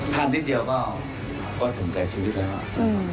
พลาดนิดเดียวก็ก็ถึงแต่ชีวิตแล้วอ่ะอืม